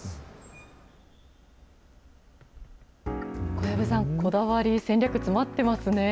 小籔さん、こだわり、戦略詰まってますね。